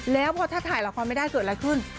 แล้วพอถ้าถ่ายละครไม่ได้เกิดอะไรขึ้น